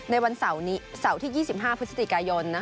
ในวันเสาร์ที่๒๕พฤศจิกายน